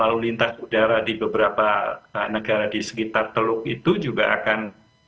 lalu lintas udara di beberapa negara di sekitar teluk itu juga akan